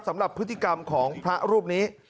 สำหรับพฤติกรรมของพระรูปนี้